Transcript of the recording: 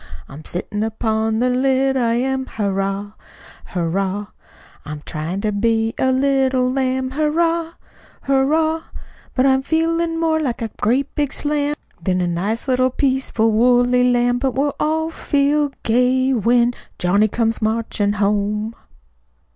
I'm sittin' upon the lid, I am, Hurrah! Hurrah! I'm tryin' to be a little lamb, Hurrah! Hurrah! But I'm feelin' more like a great big slam Than a nice little peaceful woolly lamb, But we'll all feel gay when Johnny comes marchin' home."